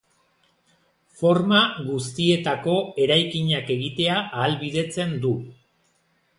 Forma guztietako eraikinak egitea ahalbidetzen du.